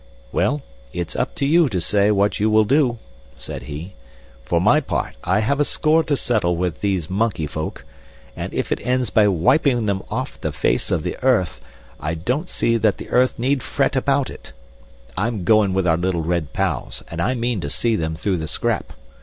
"Well, it's up to you to say what you will do," said he; "for my part I have a score to settle with these monkey folk, and if it ends by wiping them off the face of the earth I don't see that the earth need fret about it. I'm goin' with our little red pals and I mean to see them through the scrap.